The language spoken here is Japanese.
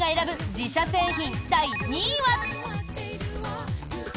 自社製品第２位は。